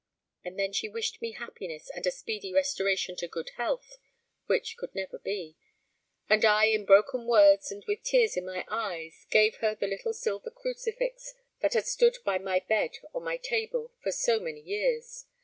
and then she wished me happiness and a speedy restoration to good health (which could never be); and I in broken words and with tears in my eyes, gave her the little silver crucifix that had stood by my bed or my table for so many years.